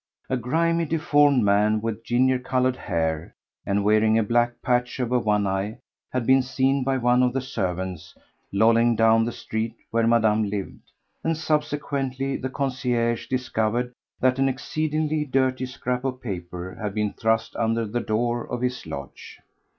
A grimy deformed man, with ginger coloured hair, and wearing a black patch over one eye, had been seen by one of the servants lolling down the street where Madame lived, and subsequently the concierge discovered that an exceedingly dirty scrap of paper had been thrust under the door of his lodge.